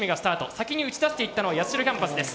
先に打ち出していったのは八代キャンパスです。